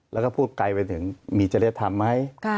แล้วก็พูดไกลไปถึงมีจริยธรรมไหม